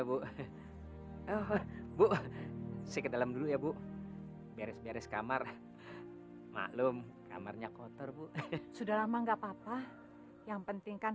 bu bu seke dalam dulu ya bu beres beres kamar maklum kamarnya kotor sudah enggak papa yang pentingkan